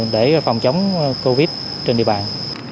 để phòng chống covid trên địa bàn